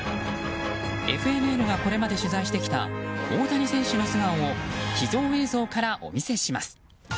ＦＮＮがこれまで取材してきた大谷選手の素顔を秘蔵映像からお見せします。